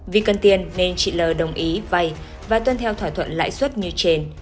vì cần tiền nên chị l đồng ý vay và tuân theo thỏa thuận lãi suất như trên